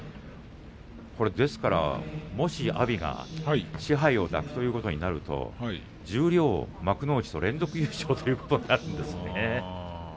ですからもし阿炎が賜盃を抱くということになると十両幕内と連続優勝ということになるんですよね。